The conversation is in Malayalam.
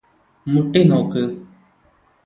മുട്ടി നോക്ക്